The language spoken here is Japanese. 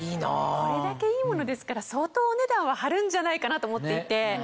これだけいいものですから相当お値段は張るんじゃないかなと思っていて。